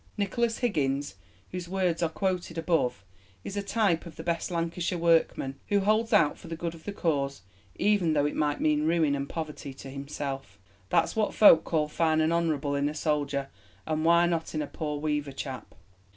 Nicholas Higgins, whose words are quoted above, is a type of the best Lancashire workman, who holds out for the good of the cause, even though it might mean ruin and poverty to himself "That's what folk call fine and honourable in a soldier, and why not in a poor weaver chap?"